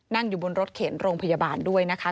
นั่งอยู่บนรถเข็นโรงพยาบาลด้วยนะคะ